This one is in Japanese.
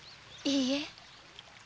いいえ。